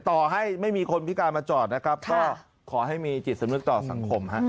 ต่อให้ไม่มีคนพิการมาจอดนะครับก็ขอให้มีจิตสำนึกต่อสังคมฮะ